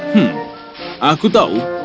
hmm aku tahu